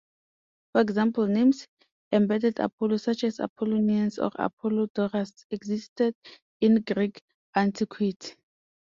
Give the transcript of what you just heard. For example, names embedding Apollo, such as "Apollonios" or "Apollodorus", existed in Greek antiquity.